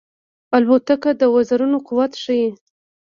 الوتکه د وزرونو قوت ښيي.